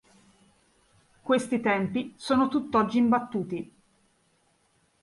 Questi tempi sono tutt'oggi imbattuti.